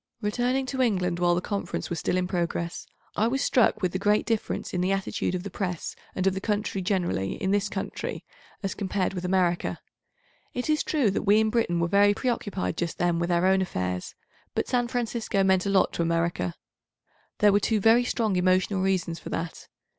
Returning to England while the Conference was still in progress, I was struck with the great difference in the attitude of the Press and of the country generally in this country as compared with America. It is true that we in Britain were very preoccupied just then without own affairs, but San Francisco meant a lot to America. There were two very strong emotional reasons for that.